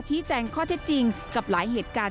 แจ้งข้อเท็จจริงกับหลายเหตุการณ์